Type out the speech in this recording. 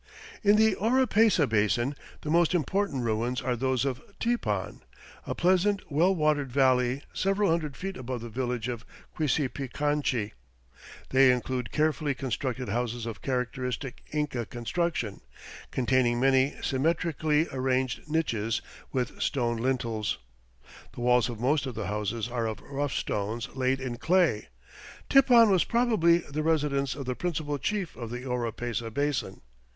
In the Oropesa Basin the most important ruins are those of Tipon, a pleasant, well watered valley several hundred feet above the village of Quispicanchi. They include carefully constructed houses of characteristic Inca construction, containing many symmetrically arranged niches with stone lintels. The walls of most of the houses are of rough stones laid in clay. Tipon was probably the residence of the principal chief of the Oropesa Basin.